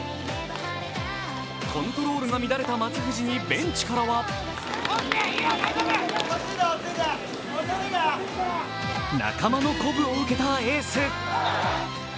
コントロールの乱れた松藤にベンチからは仲間の鼓舞を受けたエース。